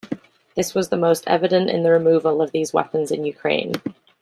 This was most evident in the removal of these weapons in Ukraine.